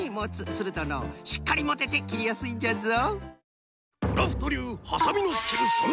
するとのうしっかりもてて切りやすいんじゃぞ。